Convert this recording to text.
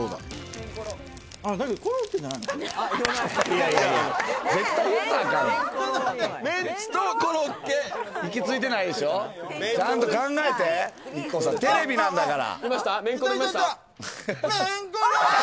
ＩＫＫＯさん、ちゃんと考えて、テレビなんだから。